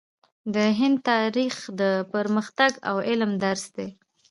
د هند تاریخ د پرمختګ او علم درس دی.